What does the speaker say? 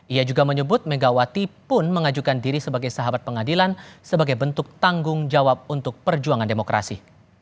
ia juga menyebut megawati pun mengajukan diri sebagai sahabat pengadilan sebagai bentuk tanggung jawab untuk perjuangan demokrasi